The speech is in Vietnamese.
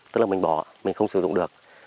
tức là mình bỏ mình không sử dụng được